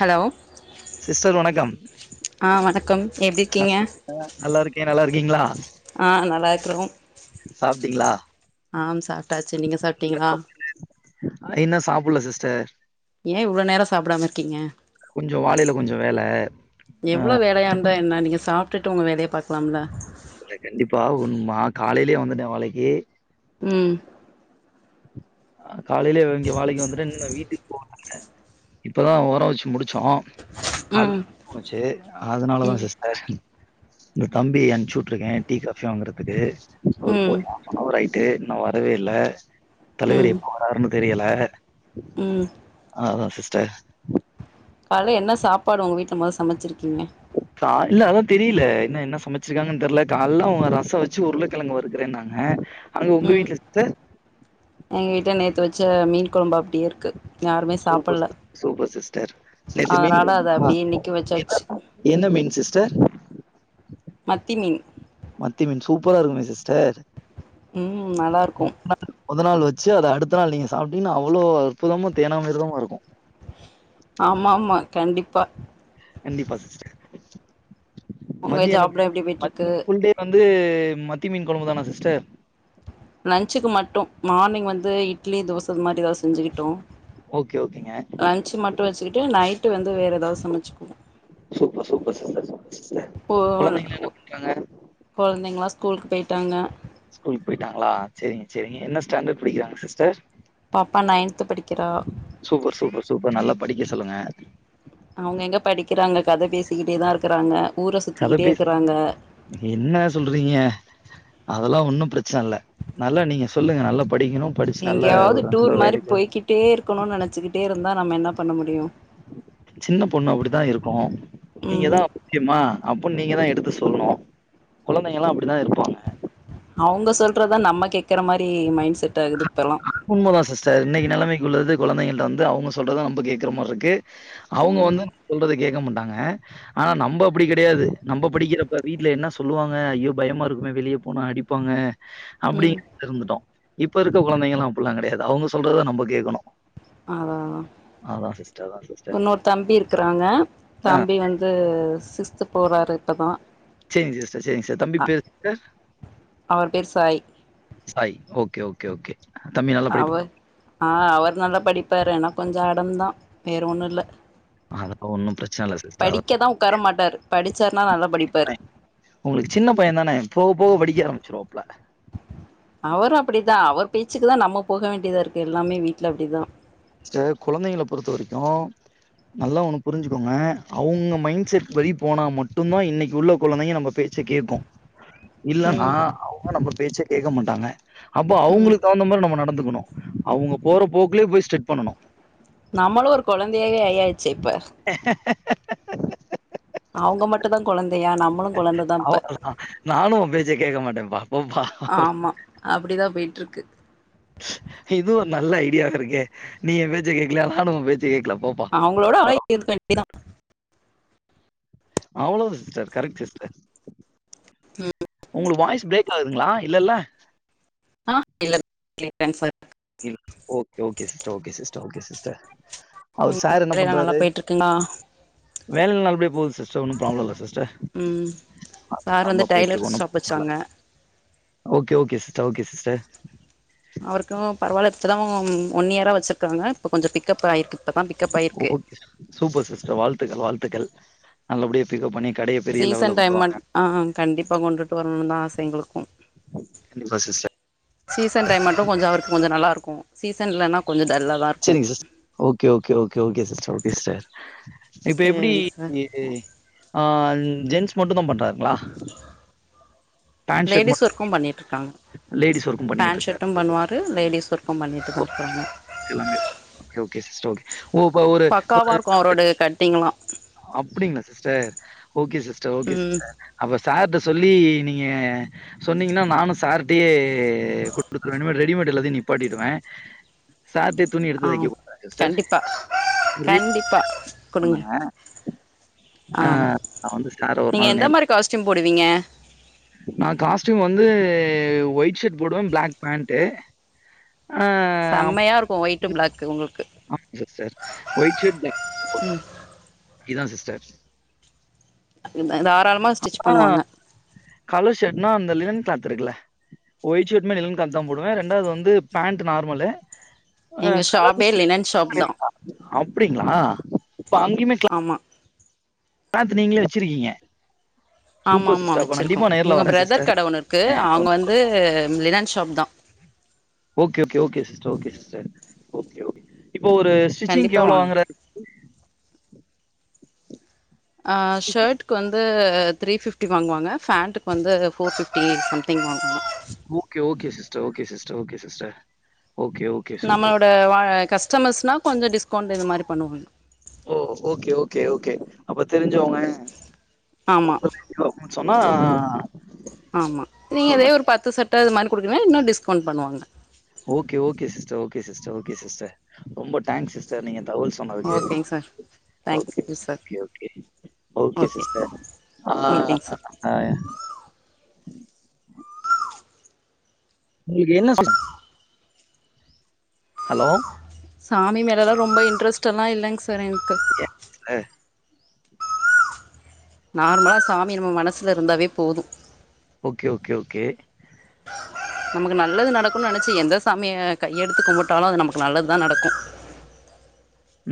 Hello sister வணக்கம் ஆ வணக்கம் எப்டி இருக்கீங்க நா நல்லா இருக்கே நல்லா இருக்கீங்ளா ஆ நல்லா இருக்கிறோம் சாப்ட்டீங்களா ஆம் சாப்ட்டாச்சு நீங்க சாப் இன்னு சாப்பில்ல சிஸ்டர் ஏன் இவ்ளோ நேரோ சாப்டாம இருக்கீங்க கொஞ்சோ வாலில கொஞ்சோ வேல ஆ எவ்ளோ வேலைய இருந்தா என்ன நீங்க சாப்ட்டுட்டு உங்க வேலைய பாக்கலாம்ல இல்ல கண்டிப்பா [unintelligible] காலையிலயே வந்துட்டே வலைக்கி ம் காலையிலே இங்க வாலைக்கி வந்துட்ட இன்னு நா வீட்டுக்கு போகல இப்பதா ஓரோ வெச்சு முடிச்சோ கால் ம் போச்சு அதனாலதா ம் சிஸ்டர் உங்க தம்பி அனுப்ச்சி வுட்டுருக்கே டீ காஃபி வாங்கறதுக்கு ம் ஓண்ணவர் ஆயிட்டு இன்னு வரவே இல்ல தலைவர் ம் எப்ப வராருன்னு தெரியல ம் அதா சிஸ்டர் கால்ல என்ன சாப்பாடு ஒங்க வீட்ல மொத சமச்சிருக்கீங்க காலைல அதா தெரியல என்ன என்ன சமச்சிருக்காங்கன் தெர்ல கால்ல அவங்க ரசம் வெச்சு உருளக் கெழங்கு வறுக்குறேன்னாங்க அங்க உங்க ம் வீட்ல சிஸ்டர் எங்க வீட்ல நேத்து வெச்ச மீன் கொழம்பு அப்டியே இருக்கு யாருமே சூப்பர் சாப்பல்ல சிஸ்டர் சூப்பர் சிஸ்டர் நேத்து மீன் அதனால அத அப்டியே இன்னைக்கு வச்சாச்சு [inaudible] என்ன மீன் சிஸ்டர் மத்தி மீன் மத்தி மீன் சூப்பரா இருக்குமே சிஸ்டர் ம் நல்லா இருக்கும் [inaudible] மொதநாள் வெச்சு அத அடுத்த நாள் நீங்க சாப்ட்டீங்கன்னா அவ்ளோ அற்புதமா தேனாமிர்தமா இருக்கு ஆமா ஆமா கண்டிப்பா கண்டிப்பா சிஸ்டர் உங்க மதியோ என்ன ஜாப்லா எப்டி போயிட்ருக்கு [inaudible] ஃபுல் டே வந்து மத்தி மீன் கொழம்பு தானா சிஸ்டர் லன்ச்சுக்கு மட்டு மார்னிங் வந்து இட்லி தோச இது மாரி ஏதாவது செஞ்சுக்கிட்டோ ஓகே ஓகேங்க லன்ச்சு மட்டு வச்சுக்கிட்டு நைட்டு வந்து வேற ஏதாவது சமச்சுக்குவோ சூப்பர் சூப்பர் சிஸ்டர் சிஸ்டர் கொழந்தைங்கலா என்ன பண்றாங்க [unintelligible] கொழந்தைங்களா ஸ்கூலுக்கு போயிட்டாங்க ஸ்கூல்க்கு போயிட்டாங்களா செரிங்க செரிங்க என்ன ஸ்டாண்டர் படிக்கிறாங்க சிஸ்டர் பாப்பா நைன்த்து படிக்கிறா சூப்பர் சூப்பர் சூப்பர் நல்லா படிக்க சொல்லுங்க அவுங்க எங்க படிக்கிறாங்க கத பேசிக்கிட்டே தா இருக்குறாங்க ஊர கத சுத்திக்கிட்டே பேஸ் இருக்குறாங்க என்ன சொல்றீங்க அதல்லா ஒண்ணு பிரச்சன இல்ல நல்லா நீங்க சொல்லுங்க நல்லா படிக்கணு படிச்சு நல்ல ஒரு நல்ல வேலைக்கு ட்டேருக்கணு நெனச்சுக்கிட்டே இருந்தா நம்ம என்ன பண்ண முடியு சின்ன பொண்ணு அப்டிதா இருக்கு ம் நீங்கதா முக்கியமா அப்ப நீங்க தா எடுத்து சொல்லணு கொழந்தைங்கல்லா அப்டிதா இருப்பாங்க அவுங்க சொல்றதா நம்ம கேக்கற மாரி மைண்ட் செட்டாகுது இப்பல்லா உண்மதா சி்ஸ்டர் இன்னைக்கி நெலமைக்கு உள்ளது கொழந்தைங்கள்ட்ட வந்து அவங்க சொல்றத நம்ப கேக்கற மாரிருக்கு அவுங்க ம் வந்து சொல்றத கேக்க மாட்டாங்க ஆனா நம்ப அப்டி கெடையாது நம்ப படிக்கிறப்ப வீட்ல என்ன சொல்லுவாங்க ஐயோ பயமா இருக்குமே வெளியே போனா அடி பாங்க அப்டி ம் இருந்துட்டோ இப்பருக்க கொழந்தைங்கள அப்லா கெடையாது அவுங்க சொல்றததா நம்ப கேட்கணு அதா அதா அதா சிஸ்டர் அதா சிஸ்டர் இன்னொரு தம்பி இருக்குறாங்க ஆ தம்பி வந்து சிக்ஸ்த்து போறாரு இப்பதா சேரிங் சிஸ்டர் சேரிங் சிஸ்டர் தம்பி அ பேரென்ன அவர் பேர் Sai Sai okay okay okay தம்பி ந அவர் ஆ அவர் நல்லா படிப்பாரு ஆனா கொஞ்சோ அடம்தா வேற ஒண்ணுல்ல அதா ஒண்ணு பிரச் படிக்கதா உக்கார மாட்டாரு படிச்சாருனா நல்லா படிப்பாரு அதான் உங்களுக்கு சின்ன பையே தான போவ போவ படிக்க ஆரமிச்சிருவாப்ல அவரு அப்டிதா அவர் பேச்சுக்கு தா நம்ம போக வேண்டியதாருக்கு எல்லாமே வீட்ல அப்டிதா சிஸ்டர் கொழந்தைங்கள பொறுத்த வரைக்கு நல்லா ஒண்ணு புரிஞ்சுக்கோங்க அவுங்க மைண்ட் செட் படி போனா மட்டுதா இன்னைக்கி உள்ள கொழந்தைங்க நம்ம பேச் ச கேக்கு ம் இல்லன்னா அவுங்க நம்ம பேச்ச கேக்க மாட்டாங்க அப்போ ம் அவுங்களுக்கு தகுந்த மாதிரி நம்ம நடந்துக்கணு அவுங்க போற போக்லயே போய் ஸ்ட்ரீட் பண்ணனு நம்மளு ஒரு கொழந்தையாவே ஐயாச்சு இப்ப அவுங்க மட்டும் தா கொழந்தையா நம் ஆ நானு ஒ பேச்ச கேட்க மாட்டேன்பா போ பா ஆமா அப்டிதா போய்ட்டு இருக்கு இதுவு ஒரு நல்ல ஐடியாவே இருக்கே நீ எ பேச்ச கேக்கல நானு ஒ பேச்ச கேக்கல போ அவுங்களோட அழகி [inaudible] இருக்க வேண்டியதா அவ்ளோ சிஸ்டர் கரெக்ட் சிஸ்டர் உங்ளுக்கு வாய்ஸ் பிரேக் ஆகுதுங்ளா இல்ல ல அ இல்ல கேக்லிங் சார் இ ஒக் okay sister okay sister okay sister உங்க அவர் சார் என்ன வேலையெல்லா நல்லா பண்றாரு போயிட்ருக்குங்களா வேல நல்லபடியா போகுது சிஸ்டர் ஒன்னு ப்ராப்ள இல்ல சிஸ்டர் ம் சார் வந்து டைலர் ஆமாபோய்ட்ருக்கோ ஷாப் நம்ம நல்லா வச்சாங்க okay okay sister okay sister அவருக்கு பரவால இப்ப த ஒன்இயரா வச்சிருக்காங்க இப்போ கொஞ்ச பிக்கப் ஆயிருக்கு இப்பதா பிக்கப் ஆயிருக்கு ஓகே சூப்பர் சிஸ்டர் வாழ்த்துக்கள் வாழ்த்துக்கள் நல்லபடியா பிக்கப் பண்ணி கடய சீசன் டைமன் ஆ கண்டிப்பா கொண்டுட்டு வரணுனு தா ஆச எங்களுக்கு கண்டிப்பா சிஸ்டர் சீசன் டைம் மட்டு கொஞ்ச அவருக்கு கொஞ்ச நல்லா ருக்கு சீசன் இல்லன்னா கொஞ்ச டல்லா தா இருக்கு சரிங் sis okay okay okay sister okay sister இப்ப எப்டி சேரிங்க சார் அ ஜென்ஸ் மட்டுந்தா பண்றாங்ளா லேடிஸ் ஒர்க்கும் பண்ணிட்ருக்காங்க லேடிஸ் ஒர்க்கும் பேண்ட் பண்ணிட்ருக்காரு. ஷர்ட்டு பண்ணுவாரு லேடிஸ் ஒர்க்கு பண்ணிட்டு தா இருக்காங்க எல்லாமே ஓகே ஓகே சிஸ்டர் ஒகே ஒ ஒ ஒரு கட்டிங்களா அப்டிங்ளா சிஸ்டர் ஓகே சிஸ்டர் ஓகே ம் சிஸ்டர் அப்ப சார்ட்ட சொல்லி நீங்க சொன்னீங்கன்னா நானு சார்ட்டையே குடுத்துறே ரெடிமேட் எல்லத்தையு நிப்பாட்டிடுவ சார்டயே துணி ஆ எடுத்துதைக்க குடுத்தா என்ன சிஸ்டர் கண்டிப்பா கண்டிப்பா குடுங்க ஆ நா வந்து சார ஒரு நாள் நேர் காஸ்ட்யும் போடுவீங்க நா காஸ்டியூம் வந்து ஒயிட் ஷர்ட் போடுவ பிளாக் பேண்ட்டு ஆ செம்மையா இருக்க ஒயிட்டு் பிளாக்கு உங்களுக்கு ஆமா சிஸ்டர் ஒயிட் ஷர்ட் [inaudible] இதா சிஸ்டர் தாராள்மா ஸ்டிச் ஆ பண்ணுவாங்க கலர் ஷட்னா அந்த லேனின் கிளாத் இருக்குல்ல ஒயி்ட் ஷர்டுமே லெனின் கிளாத் தா போடுவெ ரெண்டாவது வந்து பேண்ட் நார்மலு ஹ எங்க ஷாப்பே கலருமே லினன் ஷாப் தா [inaudible] அப்படிங்களா இப்ப அங்கயுமே ஆமா கிளாத் நீங்களே வச்சிருக்கீங்க ஆமா சூப்பர் மா சிஸ்டர். அப்ப வச்சுருக்கோ கண்டிப்பா நேர்ல இவுங்க வரேன் பிரதர் சிஸ்டர். கடவொன்னு இருக்கு அ ஒரு அவுங்க வந்து லினன் ஷாப் தா okay okay okay sister okay sister okay okay இப்ப ஒரு ஸ்டிச்சிங்கு கண்டிப்பா எவ்ளோ வாங்க வாங்குறாரு ஆ ஷ்ஷாட்க்கு வந்து த்ரீ பிஃப்டி வாங்குவாங்க ஃபேண்டுக்குவந்து ஃபோர் பிஃப்டி சம்தி்ங் வாங்குவாங்க okay okay sister okay sister okay sister okay ஓ நம்மளோட வ கஸ்டமர்ஸ்னா கொஞ்ச டிஸ்கவுண்ட் இது மாரி பண்ணுவாங்க ஓ ஓகே ஓகே ஓகே அப்ப தெரிஞ்சவங்க ஆமா சொன்னா ஆமா ஃபோன் நீங்களே பண்ணேன். ஒரு பத்து ஷர்ட் இது மாரி குடுக்கெறெ இன்னு டிஸ்கௌண்ட் பண்ணுவாங்க ஓகே ஓகே சிஸ்டர் கே சிஸ்டர் ஓகே சிஸ்டர் ரொம்ப டாங்க்ஸ் சிஸ்டர் நீங்க தகவல் சொன்னதுக்கு. ஓகேங் sir okay, thank you okay, sir okay, okay. Okay sister ஓகேங்க சார் ஆ உங்களுக்கு என்ன சொன்ன ஹலோ சாமி மேலலா ரொம்ப இன்ட்ரெஸ்ட்டல்லா இல்லங் சார் எனக்கு அ நார்மலா சாமி நம்ம மனசுல இருந்தாவே போது ஓகே ஓகே ஓகே நமக்கு நல்லது நடக்குன்னு நனச்சி எந்த சாமிய கையெடுத்து கும்புட்டாலு அது நமக்கு நல்லதுதா நடக்கு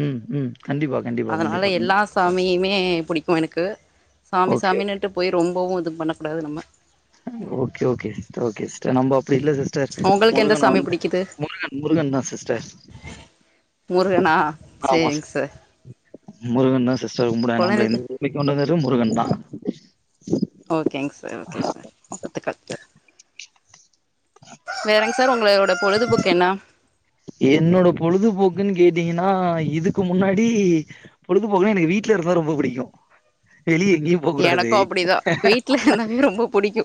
ம் ம் கண்டிப்பா கண்டிப்பா, அதனால கண்டிப்பா. ம். எல்லா சாமியுமே புடிக்கு எனக்கு சாமி ஓகே. சாமினுட் டு போய் ரொம்பவு இது பண்ணக்கூடாது நம்ம ஓகே ஓகே ஓகே சிஸ்டர் நம்ப அப்டி இல்ல சிஸ் டர் உங்களுக்கு எந்த முருகன சாமி வந்து புடிக்குது முருகன் முருகன் தா சிஸ்டர் முருகனா ஆமா சேரிங் சிஸ்டர். சார் முருகன் தா சிஸ்டர் கும்புடுவ நம்மள கொழந்தை இந்த பூமிக்கு கொண்டு வந்தது முருகன் தா ஓகேங் சார் ஓகே சார் வாழ்த்துக்கள் வேறங் சார் உங்களோட பொழுதுபோக்கு என்னா என்னோட பொழுதுபோக்குன்னு கேட்டீங்ன்னா இதுக்கு முன்னாடி பொழுதுபோக்குனா எனக்கு வீட்ல இருந்தா ரொம்ப புடிக்கி வெளிய எங்கயு எனக்கு அப்டிதா வீ் ட்ல இருந்தாவே ரொம்ப புடிக்கு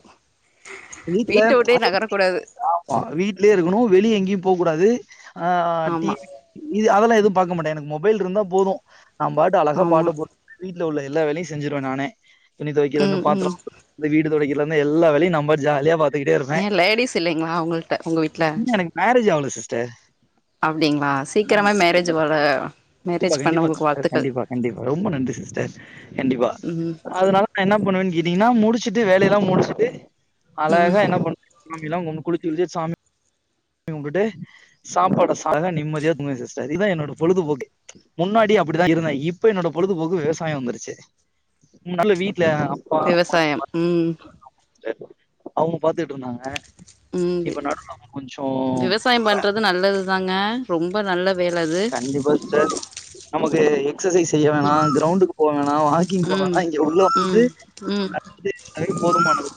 வீட்ல வீட்டவுட்டே அது நகரக்கூடாது ஆமா வீட்லயே இருக்கனோ வெளிய எங்கியு போ கூடாது ஆ டி ஆமா வி இது அதெல்லா எதுவு பாக்க மாட்ட எனக்கு மொபைல் இருந்தா போது நா பாட்டு அழகா ஆமா பாட்ட போட்டு வீட்ல உள்ள எல்லா வேலையு செஞ்சிருவ நானே துணி ம் தோய்கறதுலருந்து பாத்ரோ ம் [inaudible] ந்து வீடு தொடைக்கர்துலருந்து எல்லா வேலயு நம்பாட்டு ஜாலியா பாத் ஏ லேடிஸ் இல்லைங்ளா உங்கள்ட உங்க வீட் இன்னு எனக்கு மேரேஜ் ஆவுல சிஸ்டர் அப்டிங்ளா சீக்கிரமே மேரேஜ்ஜு போல கண்டிப்பா கண்டிப்பா சிஸ்டர் கண்டிப்பா கண்டிப்பா ரொம்ப நன்றி சிஸ்டர் கண்டிப்பா ம் அதனால நா என்ன பண்ணுவன்னு கேட்டிங்ன்னா முடிச்சுட்டு வேலையெல்லா முடிச்சுட்டு ம் அழகா என்னா பண் சாமியெல்லா கும் குளிச்சி கிளிச்சிட் சா மி கும்ட்டுட்டு சாப்பாட சாப் நல்லா நிம்மதியா துங்குவே சிஸ்டர் இதா என்னோட பொழுதுபோக்கு முன்னாடி அப்டிதா இருந்தே இப்ப என்னோட பொழுதுபோக்கு விவசாயோ வந்துருச்சு நல்ல வீட் ல அப்பா அம்மா விவசாயம் ம் [inaudible] சிஸ்டர் அவுங்க பாத்துட்டு இருந்தாங்க இப்ப நடுவுல அவுங்க கொஞ்சோ விவசாயோ பண்றது நல்லது தாங்க ரொம்ப நல்ல வேல அது கண்டிப்பா சிஸ்டர் நமக்கு எக்ஸசைஸ் செய்ய வேணா இப் கிரௌண்டுக்கு போ வேணா வாக்கிங் போ ம் வேணா இங்க உள்ள வந்துட்டு ம் ம் இது அதுவே போதுமானது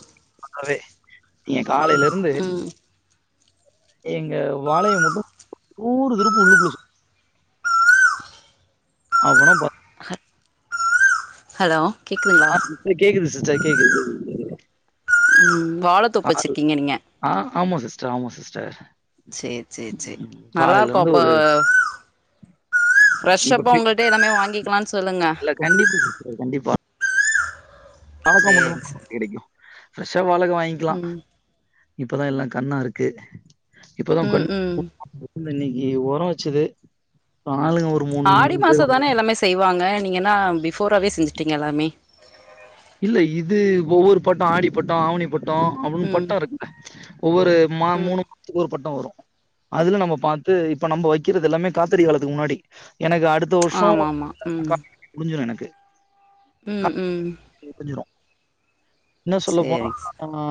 [inaudible] நீங்க காலையில இருந் ம் எங்க வாழைய மட்டு நூறு திருப்பு உள்ளுக்குள்ள சு அப்போன்னா பாத் ஹலோ கேக்குதுங்ளா இல்ல கேக்குது சிஸ்டர் கேக்குது கேக்குது கேக்குது. ம் வாழத் தோப்பு வச்சிருக்கீங்க நீங்க அ ஆமா சிஸ்டர் ஆமா சிஸ்டர் சேர் சேர் சேர் நல்லாருக்கு காலையிலேருந்து அப்போ ஒரு இப்ப ஃப்ரஷ்ஷப்பா பே உங்கள்ட்டே எல்லாமே வாங்கிக்லானு சொல்லுங்க இல்ல கண்டிப்பா [inaudible] கண்டிப்பா வாழக்கா மட்டு சேரிங் தா சார் நம்மகிட்ட கெடைக்கு ஃப்ரெஷ்ஷா வாழக்கா வாங்கிக்லா ம் இப்பதா எல்லா கண்ணாருக்கு இப்பதா [inaudible] ம் ம் இந்த இன்னக்கி ஒரொ வச்சது அப்றொ ஆளுங்க ஒரு ஆடி பேர். மாச தானே எல்லாமே செய்வாங்க நீங்கென்னா பிஃபோராவே செஞ்சுட்டீங்க எல்லாமே இல்ல இது ஒவ்வொரு பட்டொ ஆடி பட்டொ ஆவனி பட் பட்டொ அப்டின்னு ம் பட்டொ இருக்குங்க ஒவ்வொரு மா ம் மூனு மாசத்துக்கு ஒரு பட்டொ வரு அதுல நம்ம பாத்து இப்ப நம்ப வக்கிறது எல்லாமே காத்தரி காலத்துக்கு முன்னாடி எனக்கு அடுத் த வர்ஷோ ஆமா ஆமா ம் [inaudible] முடுஞ்சுரு எனக்கு ம் ம் முடுஞ்சுரு இன்னொ சேரிங் சார் சொல்லப்போனா